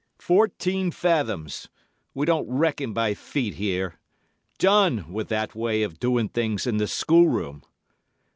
"'Fourteen fathoms. We don't reckon by feet here. Done with that way of doing things in the schoolroom.